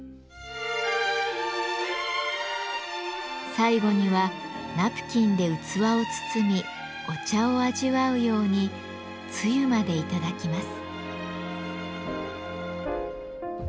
最後にはナプキンで器を包みお茶を味わうようにつゆまでいただきます。